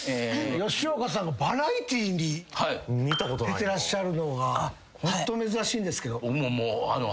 吉岡さんがバラエティーに出てらっしゃるのがホント珍しいんですけど。